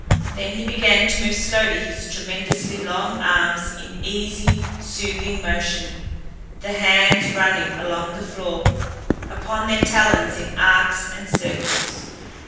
Then he began to move slowly his tremendously long arms in easy, soothing motion, the hands running along the floor upon their talons in arcs and circles.